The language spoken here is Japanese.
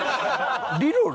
リロル？